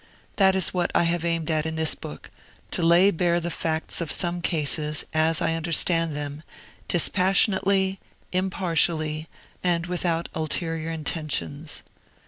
That is what I have aimed at in this book to lay bare the facts of some cases, as I understand them, dispassionately, impartially, and without ulterior intentions.